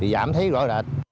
đánh số đánh số